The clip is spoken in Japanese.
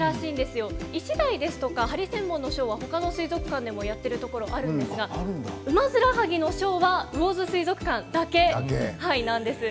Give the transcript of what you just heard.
イシダイやハリセンボンのショーは他の水族館でもやっているところがあるんですがウマヅラハギのショーは魚津水族館だけなんです。